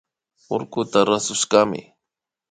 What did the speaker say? Urkuka rasushkami